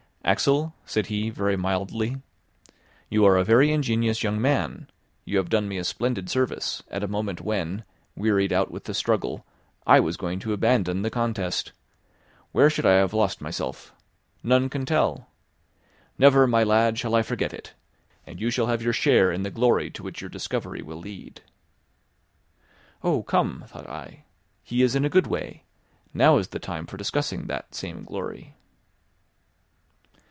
"Axel," said he very mildly; "you are a very ingenious young man, you have done me a splendid service, at a moment when, wearied out with the struggle, I was going to abandon the contest. Where should I have lost myself? None can tell. Never, my lad, shall I forget it; and you shall have your share in the glory to which your discovery will lead." "Oh, come!" thought I, "he is in a good way. Now is the time for discussing that same glory."